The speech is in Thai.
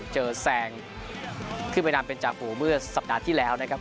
แซงขึ้นไปนำเป็นจ่าฝูเมื่อสัปดาห์ที่แล้วนะครับ